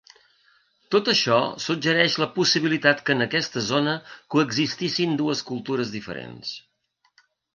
Tot això suggereix la possibilitat que en aquesta zona coexistissin dues cultures diferents.